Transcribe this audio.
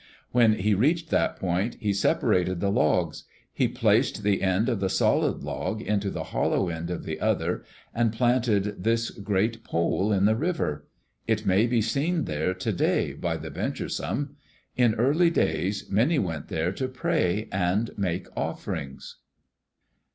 When he reached that point, he separated the logs. He placed the end of the solid log into the hollow end of the other and planted this great pole in the river. It may be seen there to day by the venturesome. In early days many went there to pray and make offerings.